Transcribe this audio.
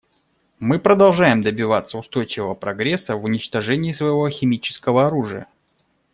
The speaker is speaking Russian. Мы продолжаем добиваться устойчивого прогресса в уничтожении своего химического оружия.